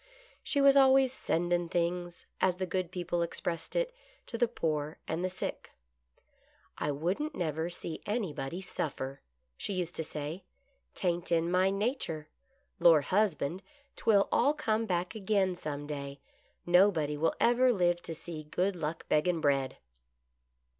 She was always " sendin' things," as the good people expressed it, to the poor and the sick. " I wouldn't never see anybody suffer," she used to say ;" 'tain't in my nature ; lor, husband, 'twill all come back again some day; nobody will ever live to see Good Luck begging bread."